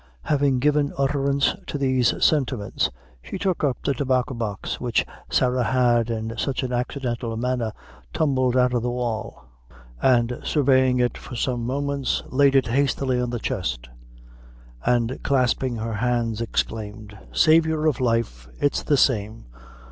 Having given utterance to these sentiments, she took up the tobacco box which Sarah had, in such an accidental manner, tumbled out of the wall, and surveying it for some moments, laid it hastily on the chest, and, clasping her hands exclaimed "Saviour of life! it's the same!